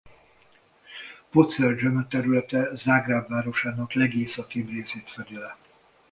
Podsljeme területe Zágráb városának legészakibb részét fedi le.